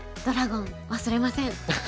ドラゴン忘れません。